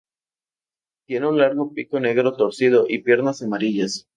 Tiene un largo pico negro torcido y piernas amarillas.